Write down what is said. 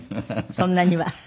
そんなには。